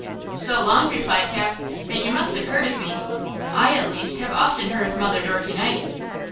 "So long," replied Cap, "that you must have heard of me! I, at least, have often heard of Mother Dorkey Knight."